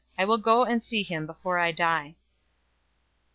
I will go and see him before I die."